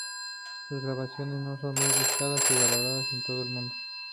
Sus grabaciones aún son muy buscadas y valoradas en todo el mundo.